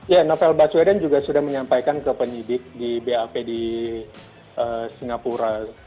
ya novel baswedan juga sudah menyampaikan ke penyidik di bap di singapura